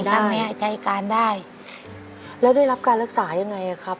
ทางนี้ใช้การได้แล้วได้รับการรักษายังไงอ่ะครับ